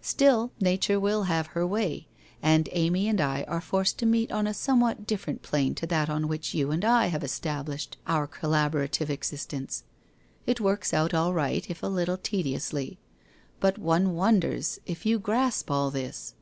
Still Nature will have her way, and Amy and I are forced to meet on a somewhat different plane to that on which you and I have established our collaborative existence, It works out all right if a little tediously. But one won ders if you grasp all this